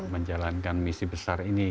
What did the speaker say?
menjalankan misi besar ini